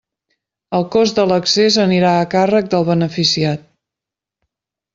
El cost de l'accés anirà a càrrec del beneficiat.